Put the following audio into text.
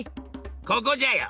ここじゃよ。